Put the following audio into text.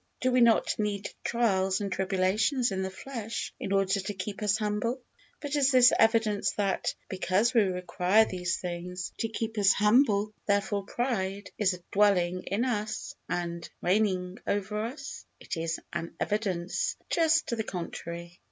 Do we not need trials and tribulations in the flesh in order to keep us humble? But is this evidence that, because we require these things to keep us humble, therefore pride is dwelling in us and reigning over us? It is an evidence just to the contrary.